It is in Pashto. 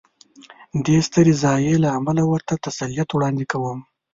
دې سترې ضایعې له امله ورته تسلیت وړاندې کوم.